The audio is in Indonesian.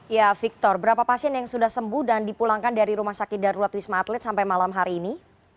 ya victor berapa pasien yang sudah sembuh dan dipulangkan dari rumah sakit darurat wisma atlet sampai malam hari ini